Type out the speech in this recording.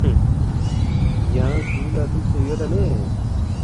یانگ سُو لہ دُوکسے یودا مید؟“